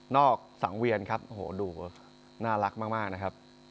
สังเวียนครับโอ้โหดูน่ารักมากนะครับ